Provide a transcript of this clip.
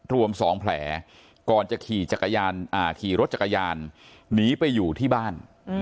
รวม๒แผลก่อนจะขี่จักรยานขี่รถจักรยานหนีไปอยู่ที่บ้าน